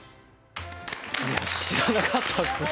いや知らなかったですね。